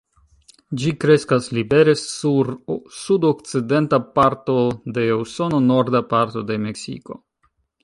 Ĝi kreskas libere sur sudokcidenta parto de Usono, norda parto de Meksiko.